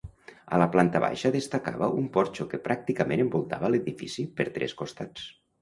A la planta baixa destacava un porxo que pràcticament envoltava l'edifici per tres costats.